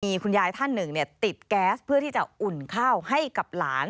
มีคุณยายท่านหนึ่งติดแก๊สเพื่อที่จะอุ่นข้าวให้กับหลาน